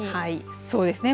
そうですね。